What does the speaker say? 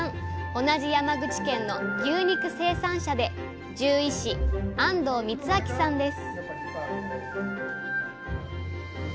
同じ山口県の牛肉生産者で獣医師安堂光明さんです